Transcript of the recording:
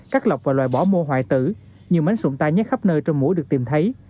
cắt lọc và loại bỏ mô hoại tử nhiều máy sụn tai nhất khắp nơi trong mũi được tìm thấy